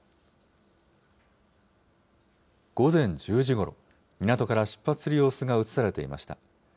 午前１０時ごろ、港から出発する様子が映されていました。